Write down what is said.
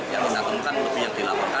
yang kita temukan lebih yang dilaporkan